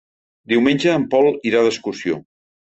Diumenge en Pol irà d'excursió.